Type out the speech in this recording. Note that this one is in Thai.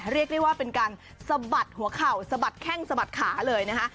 เรียกได้ว่าเป็นการสะบัดหัวเข่าสะบัดแข้งสะบัดขาเลยนะคะ